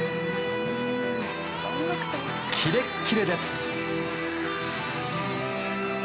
キレッキレです。